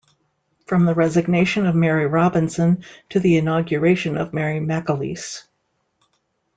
From the resignation of Mary Robinson to the inauguration of Mary McAleese.